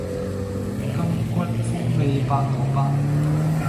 柑橘風味白蘿蔔